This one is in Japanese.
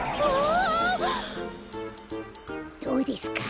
どうですか？